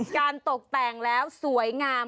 การตกแต่งแล้วสวยงาม